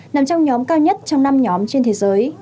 nằm trong nhóm cao nhất trong năm nhóm trên thế giới